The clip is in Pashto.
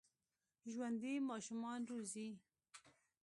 ژوندي ماشومان روزي